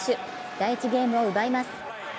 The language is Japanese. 第１ゲームを奪います。